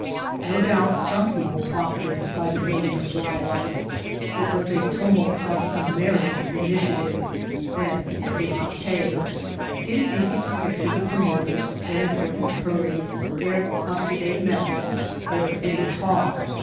No doubt some people profited by the building of Ryolite. It was a tumult of "American initiative" — then it did not pay. It is easy to picture the promoters, their important hurry, their ''up to date methods," their big talk.